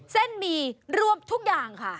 หมี่รวมทุกอย่างค่ะ